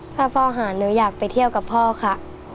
แต่กลับมาหนูอยากไปเที่ยวกับพ่อค่ะ